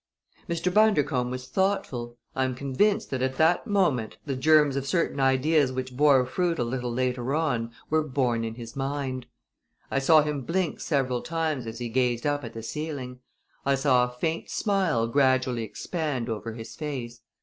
Mr. Bundercombe was thoughtful, I am convinced that at that moment the germs of certain ideas which bore fruit a little later on were born in his mind. I saw him blink several times as he gazed up at the ceiling. I saw a faint smile gradually expand over his face.